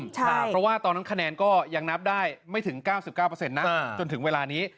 เพราะว่าตอนนั้นคะแนนก็ยังนับได้ไม่ถึง๙๙นะจนถึงเวลานี้